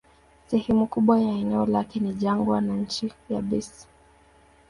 Sehemu kubwa ya eneo lake ni jangwa na nchi yabisi.